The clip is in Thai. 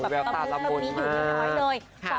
เบลองนี้อยู่ในป้อยเลย